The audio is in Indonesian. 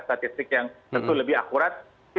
statistik yang tentu lebih akurat